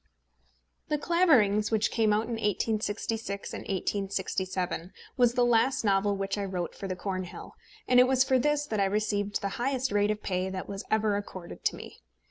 The Claverings, which came out in 1866 and 1867, was the last novel which I wrote for the Cornhill; and it was for this that I received the highest rate of pay that was ever accorded to me.